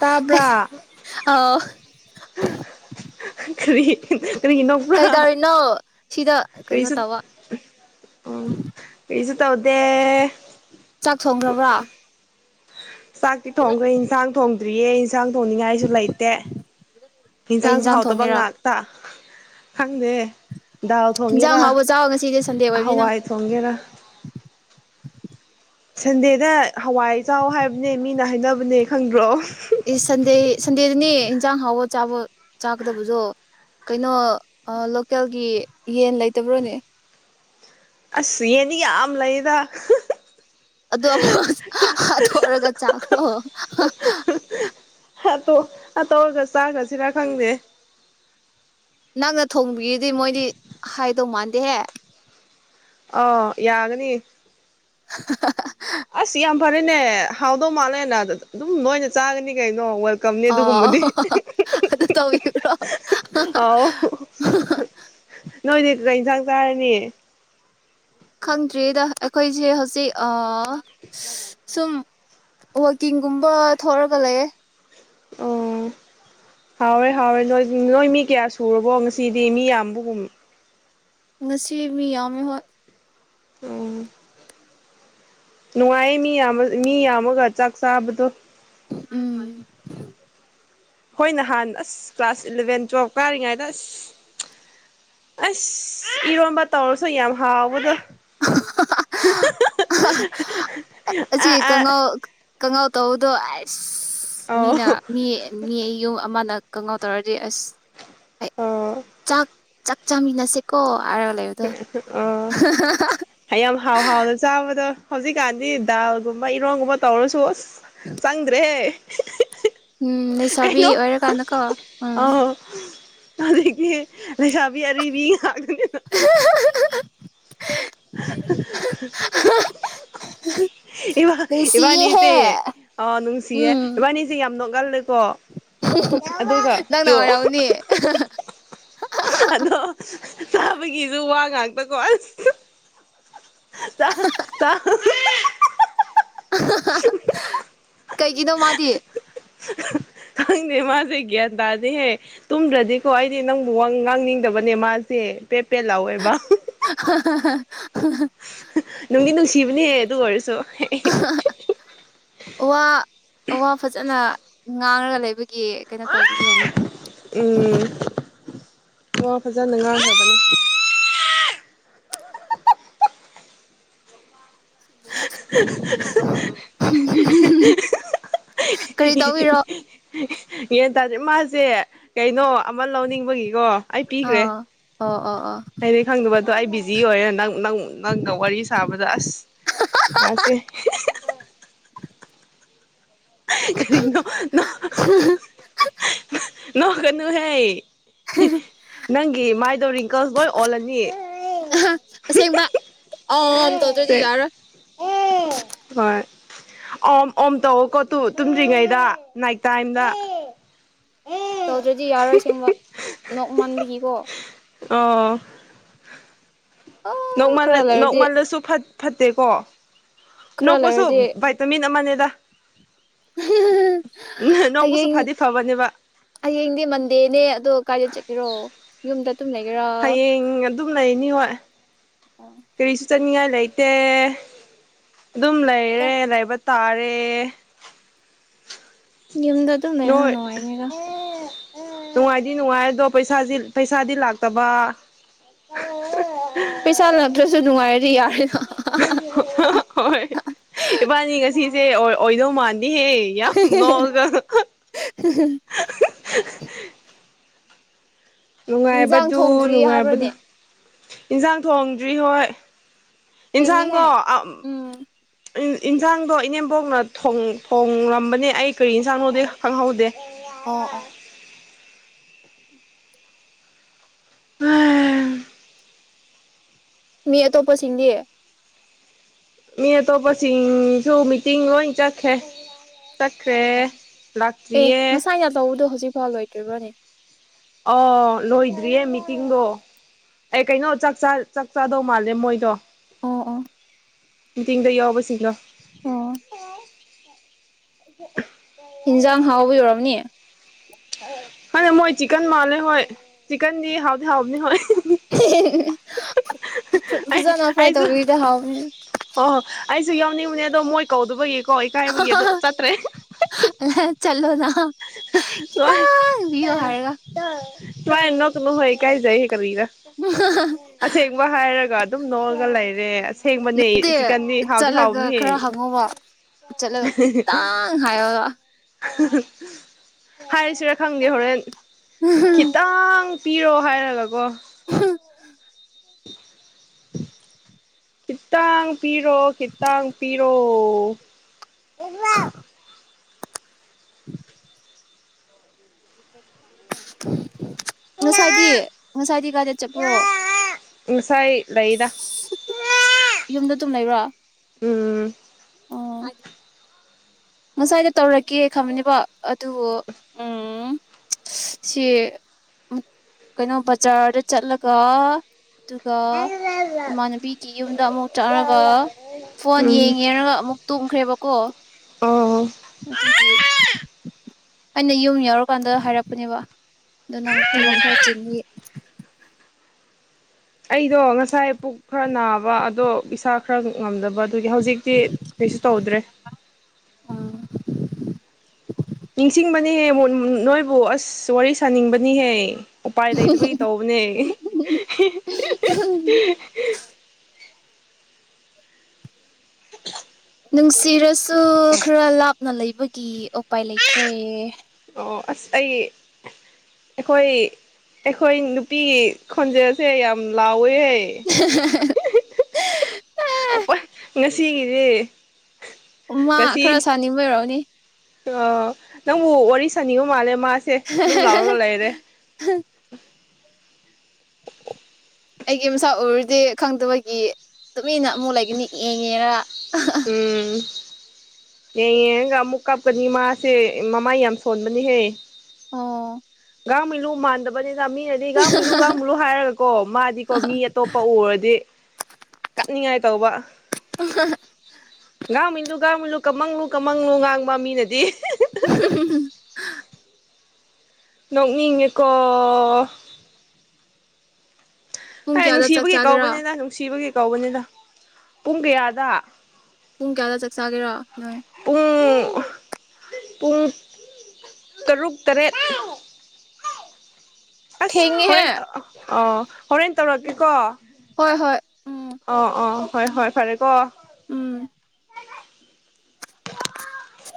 ꯇꯥꯕ꯭ꯔꯥ ꯑꯧ ꯀꯔꯤ ꯀꯔꯤ ꯀꯩ ꯅꯣꯛꯄ꯭ꯔꯥ ꯇꯔꯅꯣ ꯁꯤꯗ ꯀꯩꯅꯣ ꯀꯔꯤꯁꯨ ꯇꯧꯕ ꯑꯣ ꯀꯔꯤꯁꯨ ꯇꯧꯗꯦ ꯆꯥꯛ ꯊꯣꯡꯈ꯭ꯔꯕ꯭ꯔꯥ ꯆꯥꯛꯇꯤ ꯊꯣꯡꯈ꯭ꯔꯦ ꯏꯟꯁꯥꯡ ꯊꯣꯡ ꯇ꯭ꯔꯤꯌꯦꯟꯁ ꯍꯟꯁꯥꯡ ꯊꯣꯡꯅꯤꯡꯉꯥꯏꯁꯨ ꯂꯩꯇꯦ ꯀꯩ ꯌꯦꯟꯁꯥꯡꯁꯨ ꯌꯦꯟꯖꯥꯡ ꯍꯥꯎꯇꯕ ꯊꯣꯡꯒꯦꯔꯥ ꯉꯥꯛꯇ ꯈꯪꯗꯦ ꯗꯥꯎ ꯍꯤꯟꯖꯥꯡ ꯊꯣꯡꯒꯦꯔꯥ ꯍꯥꯎꯕ ꯆꯥꯎ ꯉꯁꯤꯗꯤ ꯁꯟꯗꯦ ꯑꯣꯏꯕꯅꯤꯅ ꯍꯋꯥꯏ ꯊꯣꯡꯒꯦꯔꯥ ꯁꯟꯗꯦꯗ ꯍꯋꯥꯏꯆꯥꯎ ꯍꯥꯏꯕꯅꯦ ꯃꯤꯅ ꯍꯥꯏꯅꯕꯅꯦ ꯈꯪꯗ꯭ꯔꯣ ꯏꯁ ꯁꯟꯗꯦ ꯁꯟꯗꯦꯗꯅꯦ ꯏꯟꯁꯥꯡ ꯍꯥꯎꯕ ꯆꯥꯕ ꯆꯥꯀꯗꯕꯁꯨꯣ ꯀꯩꯅꯣ ꯂꯣꯀꯦꯜꯒꯤ ꯌꯦꯟ ꯂꯩꯇꯕ꯭ꯔꯣꯅꯦ ꯑꯁ ꯌꯦꯅꯤ ꯌꯥꯝ ꯂꯩꯗ ꯑꯗꯨ ꯑꯃꯨꯛ ꯍꯥꯊꯔꯒ ꯆꯥꯈ꯭ꯔꯣ ꯇꯧꯔꯒ ꯆꯥꯈ꯭ꯔꯁꯤꯔꯥ ꯈꯪꯗꯦ ꯅꯪꯅ ꯊꯣꯡꯕꯤꯒꯤ ꯃꯣꯏꯗꯤ ꯍꯥꯏꯗꯣ ꯃꯥꯟ ꯗꯦ ꯑ ꯌꯥꯒꯅꯤ ꯑꯁꯤ ꯌꯥꯝ ꯐꯔꯦꯅꯦ ꯍꯥꯎꯗꯧ ꯃꯥꯜꯂꯦꯅ ꯑꯗꯨꯝ ꯂꯣꯏꯅ ꯆꯥꯒꯅꯤ ꯀꯩꯅꯣ ꯋꯦꯜꯀꯝꯅꯦ ꯑ ꯑꯗꯨꯒꯨꯝꯕꯗꯤ ꯑꯗꯨ꯭ꯔꯣ ꯑꯥꯎ ꯅꯣꯏꯗꯤ ꯑꯗꯨꯗ ꯌꯦꯟꯁꯥꯡ ꯆꯥꯔꯅꯤ ꯈꯪꯗ꯭ꯔꯤꯗ ꯑꯩꯈꯣꯏꯁꯦ ꯍꯧꯖꯤꯛ ꯁꯨꯝ ꯋꯥꯛꯀꯤꯡꯒꯨꯝꯕ ꯊꯔꯒ ꯂꯩꯌꯦ ꯑꯣ ꯍꯥꯎꯔꯦ ꯍꯥꯎꯔꯦ ꯅꯣꯏ ꯅꯣꯏ ꯃꯤ ꯀꯌꯥ ꯁꯨꯔꯕꯣ ꯉꯁꯤꯗꯤ ꯃꯤ ꯌꯥꯝꯕꯒꯨꯝ ꯉꯁꯤ ꯃꯤ ꯌꯥ ꯃ ꯍꯣꯣꯏ ꯎ ꯅꯨꯡꯉꯥꯏꯌꯦ ꯃꯤ ꯌꯥꯝ ꯃꯤ ꯌꯥꯝꯃꯒ ꯆꯥꯛ ꯆꯥꯕꯗꯣ ꯎꯝ ꯍꯈꯣꯏ ꯅꯍꯥꯟ ꯑꯁ ꯀ꯭ꯂꯥꯁ ꯏꯂꯚꯦꯟ ꯇꯨꯋꯦꯜꯐ ꯀꯥꯔꯤꯉꯩꯗ ꯑꯁ ꯑꯁ ꯏꯔꯣꯟꯕ ꯇꯧꯔꯁꯨ ꯌꯥꯝ ꯍꯥꯎꯕꯗꯣ ꯁꯤ ꯑꯥ ꯑꯥ ꯀꯉ ꯀꯪꯉꯧ ꯇ ꯍꯗꯣ ꯑꯁ ꯑꯧ ꯃꯤꯅ ꯃꯤ ꯃꯤ ꯌꯨꯝ ꯑꯃꯅ ꯀꯪꯍꯧ ꯇꯧꯔꯗꯤ ꯑꯁ ꯑꯣ ꯆꯥꯛ ꯆꯥꯛ ꯆꯥꯃꯤꯟꯅꯁꯦꯀꯣ ꯍꯥꯏꯔꯒ ꯂꯩꯕꯗꯣ ꯑꯣ ꯍꯥꯏ ꯌꯥꯝ ꯍꯥꯎ ꯍꯥꯎꯅ ꯆꯥꯕꯗꯣ ꯍꯧꯖꯤꯛꯀꯥꯟꯗꯤ ꯗꯥꯜꯒꯨꯝꯕ ꯏꯔꯣꯟꯒꯨꯝꯕ ꯇꯧꯔꯁꯨ ꯆꯪꯗ꯭ꯔꯦ ꯎꯝ ꯂꯩꯁꯥꯕꯤ ꯑꯣꯏꯔꯀꯥꯟꯗꯀꯣ ꯎꯝ ꯀꯔꯤꯒꯤ ꯂꯩꯁꯥꯕꯤ ꯑꯔꯤꯕꯤ ꯉꯛ [unintelligible] ꯑ [unintelligible] ꯏꯕꯥꯅꯤꯁꯦ ꯑ ꯅꯨꯡꯁꯤꯌꯦ ꯎꯝ ꯏꯕꯥꯅꯤꯁꯦ ꯌꯥꯝ ꯅꯣꯛꯒꯜꯂꯦꯀꯣ ꯑꯗꯨꯒ ꯅꯪꯅ ꯇꯨ ꯑꯣꯏꯔꯝꯅꯤ ꯑꯗꯣ ꯆꯥꯕꯒꯤꯁꯨ ꯋꯥ ꯉꯥꯛꯇꯀꯣ ꯑꯁ ꯇ ꯇꯥ [unintelligible] ꯀꯩꯒꯤꯅꯣ ꯃꯥꯗꯤ ꯈꯪꯗꯦ ꯃꯥꯁꯦ ꯒ꯭ꯌꯥꯟ ꯇꯥꯗꯦꯍꯦ ꯇꯨꯝꯗ꯭ꯔꯗꯤꯀꯣ ꯑꯩꯗꯤ ꯅꯪꯕꯨ ꯉꯥꯡꯅꯤꯡꯗꯕꯅꯦ ꯃꯥꯁꯦ ꯄꯦ ꯄꯦ ꯂꯑꯣꯕ ꯅꯨꯪꯗꯤ ꯅꯨꯪꯁꯤꯕꯅꯦ ꯑꯗꯨ ꯑꯣꯏꯔꯁꯨ ꯋꯥ ꯋꯥ ꯐꯖꯅ ꯉꯥꯔꯒ ꯂꯩꯕ ꯒꯤ ꯀꯩꯅꯣ ꯇꯧꯕꯥꯒꯤ ꯑꯣꯏꯔꯝꯅꯤ ꯎꯝ ꯋꯥ ꯐꯖꯥꯅ ꯉꯪꯒꯔꯥꯕꯅꯤ [unintelligible] [unintelligible] [unintelligible] [unintelligible] ꯀꯔꯤ ꯇꯧꯒꯦꯔꯣ ꯌꯦꯟ ꯇꯥꯗꯦ ꯃꯥꯁꯦ ꯀꯩꯅꯣ ꯑꯃ ꯂꯧꯅꯤꯡꯕꯒꯤꯀꯣ ꯑꯩ ꯄꯤꯈ꯭ꯔꯦ ꯑꯥ ꯑꯣ ꯑꯣ ꯑꯣ ꯍꯥꯏꯗꯤ ꯈꯪꯗꯕꯗꯣ ꯑꯩ ꯖꯤ ꯑꯣꯏꯔꯦ ꯅꯡ ꯅꯪ ꯅꯪꯒ ꯋꯥꯔꯤ ꯁꯥꯕꯗ ꯑꯁ ꯃꯥꯁꯦ ꯀꯔꯤꯅꯣ ꯅꯣ ꯀꯅꯨꯍꯦ [unintelligible] ꯅꯪꯒꯤ ꯃꯥꯏꯗꯧ ꯔꯤꯡꯀꯜ ꯂꯣꯏ ꯑꯣꯂꯅꯤ ꯑꯁꯦꯡꯕ ꯑꯝ ꯇꯧꯗ꯭ꯔꯗꯤ ꯌꯥꯔꯔꯣꯏ ꯍꯣꯏ ꯑꯣꯝ ꯑꯣꯝ ꯇ ꯀꯑꯣ ꯇꯨ ꯇꯨꯝꯗ꯭ꯔꯤꯉꯩꯗ ꯅꯥꯏ ꯇꯥꯏꯝꯗ ꯅꯣꯛ ꯃꯥꯟꯥꯟꯕꯒꯤꯀꯣ ꯑ ꯑ ꯅꯣꯡꯃꯜꯂ ꯈꯔ ꯂꯩꯔꯗꯤ ꯅꯣꯡꯃꯜꯂꯁꯨ ꯐꯠꯇꯦꯀꯣ ꯅ ꯈꯔ ꯄꯣꯁꯣ ꯂꯩꯔꯗꯤ ꯚꯇꯃꯤꯟ ꯑꯃ ꯇ ꯍꯌꯦꯡ ꯐꯗꯤ ꯐꯕꯅꯦꯕ ꯍꯌꯦꯡꯗꯤ ꯃꯟꯗꯦꯅꯦ ꯑꯗꯣ ꯀꯥꯏꯗ ꯆꯠꯀꯦꯔꯣ ꯌꯨꯝꯗ ꯇꯨꯝ ꯂꯩꯒꯦꯔꯣ ꯍꯌꯦꯡ ꯑꯗꯨꯝ ꯂꯩꯅꯤ ꯍꯣꯏ ꯑꯣ ꯆꯠꯅꯅꯤꯡꯉꯥꯏ ꯂꯩꯇꯦ ꯑꯗꯨꯝ ꯂꯩꯔꯦ ꯂꯩꯕ ꯇꯥꯔꯦ ꯌꯨꯝꯗ ꯑꯗꯨꯝ ꯂꯩꯕꯅ ꯅꯣꯏ ꯅꯨꯡꯉꯥꯏꯕꯅꯤꯗ ꯅꯨꯡꯉꯥꯏꯗꯤ ꯅꯨꯡꯉꯥꯏ ꯑꯗꯣ ꯄꯩꯁꯥ ꯄꯩꯁꯥꯗꯤ ꯂꯥꯛꯇꯕ ꯄꯩꯁꯥ ꯂꯥꯛꯇ꯭ꯔꯁꯨ ꯅꯨꯡꯉꯥꯏꯔꯗꯤ ꯌꯥꯔꯦꯅ ꯍꯣꯏ ꯏꯕꯥꯟꯅꯤ ꯉꯁꯤꯁꯦ ꯑꯣꯏꯗꯧ ꯃꯥꯅꯤ ꯍꯦ ꯌꯥꯝ ꯅꯣꯛꯑꯒ ꯏꯟꯖꯥꯡ ꯅꯨꯡꯉꯥꯏꯕꯗꯨ ꯊꯣꯡꯗ꯭ꯔꯤ ꯅꯨꯡꯉꯥꯏꯕꯗꯨ ꯍꯥꯏꯕ꯭ꯔꯅꯦ ꯏꯟꯁꯥꯡ ꯊꯣꯡꯗ꯭ꯔꯤ ꯍꯣꯏ ꯏꯟꯁꯥꯡꯗꯣ ꯊꯦꯡꯉꯦꯍꯦ ꯎꯝ ꯏꯟꯁꯥꯡꯗꯣ ꯏꯅꯦꯝꯕꯣꯛꯅ ꯊꯣꯡ ꯊꯣꯡ ꯔꯝꯕꯅꯦ ꯑꯩ ꯀꯔꯤ ꯏꯟꯁꯥꯡꯅꯣꯗꯤ ꯈꯪꯍꯧꯗꯦ ꯑꯣ ꯑꯣ ꯑꯝ ꯃꯤ ꯑꯇꯣꯞꯄꯁꯤꯡꯗꯤ ꯃꯤ ꯑꯇꯣꯞꯁꯤꯡ ꯁ ꯃꯇꯤꯡ ꯋꯥꯏ ꯆꯈꯦ ꯆꯠꯈ꯭ꯔꯦ ꯑꯣ ꯂꯥꯛꯇ꯭ꯔꯤꯌꯦ ꯐꯥꯎ ꯂꯣꯏꯗ꯭ꯔꯤꯕꯣꯅꯦ ꯑꯣ ꯂꯣꯏꯗ꯭ꯔꯤꯌꯦ ꯃꯤꯇꯤꯡꯗꯣ ꯑꯩ ꯀꯩꯅꯣ ꯆꯥꯛ ꯆꯥꯗꯧ ꯃꯥꯜꯂꯦ ꯃꯣꯏꯗꯣ ꯑꯣ ꯑꯣ ꯇꯤꯡꯗ ꯌꯥꯎꯕꯁꯤꯡꯗꯣ ꯑꯣ ꯑ ꯑꯣ ꯏꯟꯁꯥꯡ ꯍꯥꯎꯕꯒꯤ ꯑꯣꯏꯔꯝꯅꯤ ꯍ ꯃꯣꯏ ꯆꯛꯦꯦꯟ ꯃꯥꯔꯦ ꯍꯣꯏ ꯆꯦꯟꯗꯤ ꯍꯥꯎꯗꯤ ꯍꯥꯎꯕꯅꯤ ꯍꯣꯏ [unintelligible] ꯑꯩ ꯐꯖꯅ ꯐ꯭ꯔꯥꯏ ꯑꯩꯁꯨ ꯇꯧꯕꯤꯗ ꯍꯥꯎꯅꯦ ꯑꯣ ꯑꯩꯁꯨ ꯌꯥꯎꯅꯤꯡꯕꯅꯦ ꯑꯗꯣ ꯃꯣꯏ ꯀꯧꯗꯕꯒꯤ ꯀꯣ ꯏꯀꯥꯏꯕꯒꯤꯀꯣ ꯆꯠꯇ꯭ꯔꯦ ꯆꯠꯂꯣꯅꯥ ꯇ ꯍꯥꯏꯔꯒ ꯇꯔ ꯑꯅ ꯀꯅꯍꯣꯏ [unintelligible] ꯏꯀꯥꯏꯖꯩ ꯀꯔꯤꯔꯥ ꯑꯁꯦꯡꯕ ꯍꯥꯏꯔꯒ ꯑꯗꯨꯝ ꯅꯣꯛꯂꯒ ꯂꯩꯔꯦ ꯑꯁꯦꯡꯕꯅꯦ ꯅꯠꯇꯦ ꯆꯤꯛꯀꯟꯗꯤ ꯍꯥꯎꯗꯤ ꯆꯠꯂꯒ ꯍꯥꯎꯕꯅꯤꯍꯦ ꯈꯔ ꯍꯪꯉꯕ ꯆꯠꯂꯒ ꯈꯤꯇꯪ ꯍꯥꯏꯔꯒ ꯎ ꯍꯥꯏꯔꯤꯁꯤꯔ ꯈꯪꯗꯦ ꯍꯣꯔꯦꯟ ꯈꯤꯇꯪ ꯄꯤꯔꯣ ꯍꯥꯏꯔꯒꯀꯣ ꯀꯇ ꯄꯤꯔꯣ ꯈꯤꯇꯪ ꯄꯤꯔ ꯇ [inaudible] [inaudible] [inaudible] ꯉꯁꯥꯏꯗꯤ ꯉꯁꯥꯏꯗꯤ ꯒꯥꯔꯗꯦ ꯆꯠꯄ꯭ꯔꯣ ꯉꯁꯥꯏ ꯂꯩꯗ ꯌꯨꯝꯗ ꯇꯨꯝ ꯂꯩꯕ꯭ꯔꯣ ꯎꯝ ꯑꯣ ꯉꯁꯥꯏꯗ ꯇꯧꯔꯒꯦ ꯈꯕꯅꯦꯕ ꯑꯗꯨ ꯎ ꯁꯤ ꯀꯩꯅꯣ ꯕꯖꯥꯔꯗ ꯆꯠꯂꯒ ꯑꯗꯨꯒ ꯏꯃꯥꯟꯅꯕꯤꯒꯤ ꯌꯨꯝꯗ ꯑꯃꯨꯛ ꯆꯠꯒ ꯐꯣꯟ ꯎꯝ ꯌꯦꯡꯉꯦꯔꯒ ꯑꯃꯨꯛ ꯇꯨꯝꯈ꯭ꯔꯦꯕ ꯑꯣꯣ ꯑꯣ ꯑꯗꯨꯗꯒꯤ ꯑꯩꯅ ꯌꯨꯝ ꯌꯥꯎꯔꯀꯥꯟꯗ ꯍꯥꯏꯔꯛꯄꯅꯦꯕ ꯑꯗꯨꯅ ꯑꯃꯨꯛ ꯊꯕꯛ ꯈꯔ ꯆꯤꯟꯕꯤ ꯑꯩꯗꯣ ꯉꯁꯥꯏ ꯄꯨꯛ ꯈꯔ ꯅꯥꯕ ꯑꯗꯣ ꯄꯁꯥ ꯈꯔ ꯉꯝꯗꯕ ꯑꯗꯨꯒꯤ ꯍꯧꯖꯤꯛꯇꯤ ꯀꯩꯁꯨ ꯇꯧꯗ꯭ꯔꯦ [inaudible] ꯅꯤꯡꯁꯤꯡꯕꯅꯤꯍꯦ ꯅꯣꯏꯕꯨ ꯑꯁ ꯋꯥꯔꯤ ꯁꯥꯅꯤꯡꯕꯅꯤꯍꯦ ꯎꯄꯥꯏ ꯂꯩꯗꯕꯒꯤ ꯇꯧꯕꯅꯦ [inaudible] ꯅꯨꯡꯁꯤꯔꯁꯨ ꯁꯨꯈꯔ ꯂꯛ ꯅ ꯂꯩꯕꯒꯤ ꯎꯄꯥꯏ ꯂꯩꯇ꯭ꯔꯦ ꯑꯣ ꯑꯁ ꯑꯩ ꯑꯩꯈꯣꯏ ꯑꯩꯈꯣꯏ ꯅꯨꯄꯤꯒꯤ ꯈꯣꯟꯖꯦꯜꯁꯦ ꯌꯥꯝ ꯂꯥꯎ ꯕꯣꯌꯦ ꯁꯤꯒꯤꯗꯦ ꯃꯥ ꯈꯔ ꯁꯥꯅꯤꯡꯕ ꯑꯣꯏꯔꯛꯎꯅꯦ ꯑ ꯅꯪ ꯋꯥꯔꯤ ꯁꯅꯤꯒꯨꯝ ꯃꯥꯜꯂꯦ ꯃꯥꯁꯦ ꯑꯗꯨꯝ ꯂꯥꯎꯔꯒ ꯂꯩꯔꯦ ꯑꯩꯒꯤ ꯃꯁꯥ ꯎꯔꯗꯤ ꯈꯪꯗꯕꯒꯤ ꯃꯤꯅ ꯑꯃꯨꯛ ꯂꯩꯒꯅꯤ ꯌꯦꯡꯉꯦꯔ ꯌꯦꯡꯌꯦꯡꯒ ꯑꯃꯨꯛ ꯀꯞꯀꯅꯤ ꯃꯥꯁꯦ ꯃꯃꯥ ꯌꯥꯝ ꯁꯣꯟꯕꯅꯤꯍꯦ ꯑꯣ ꯉꯒ ꯃꯂ ꯃꯗꯕꯖꯦ ꯃꯤꯅꯗꯤ ꯥꯡꯕꯨꯁꯨꯨꯒꯥꯡꯕ꯭ꯔꯨ ꯍꯥꯏꯔꯒꯀꯣ ꯃꯥꯗꯤꯀꯣ ꯃꯤ ꯑꯇꯣꯞꯄ ꯎꯔꯗꯤ ꯀꯛꯅꯤꯡꯉꯥꯏ ꯇꯧꯕ ꯑ ꯀꯥꯡꯃꯤꯟꯂꯨ ꯀꯥꯡꯥꯡ ꯃꯟꯂꯨ ꯀꯃꯪꯂꯨ ꯀꯝꯃꯪꯂꯨ ꯉꯥꯡꯕ ꯃꯤꯅꯗꯤ [inaudible] ꯅꯣꯡꯃꯤ ꯌꯦꯀꯣ ꯄꯨꯡ ꯑꯔ ꯀꯌꯥꯗ ꯆꯥꯛ ꯅꯨꯡꯁꯤꯕꯒꯤ ꯆꯥꯒꯦꯔꯥ ꯀꯥꯎꯕꯅꯤꯅ ꯅꯨꯡꯁꯤꯕꯒꯤ ꯇꯧꯕꯅꯤꯅ ꯄꯨꯡ ꯀꯌꯥꯗ ꯄꯨꯡ ꯀꯌꯥꯗ ꯆꯥꯛ ꯆꯥꯒꯦꯔꯣ ꯅꯣꯏ ꯄꯨꯡ ꯄꯨꯡ ꯇꯔꯨꯛ ꯇꯔꯦꯠ ꯑꯁ ꯊꯦꯡꯉꯦꯍꯦ ꯍꯦꯟ ꯑ ꯍꯣꯔꯦꯟ ꯇꯧꯔꯛꯀꯦꯀꯣ ꯑ ꯍꯣꯏ ꯍꯣꯏ ꯎꯝ ꯑꯣ ꯍꯣꯏ ꯍꯣꯏ ꯐꯔꯦ ꯀꯣ ꯎꯝ [inaudible]